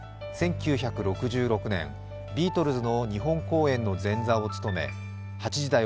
１９６６年、ビートルズの日本公演の前座を務め「８時だョ！